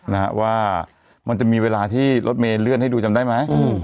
นะฮะว่ามันจะมีเวลาที่รถเมย์เลื่อนให้ดูจำได้ไหมอืม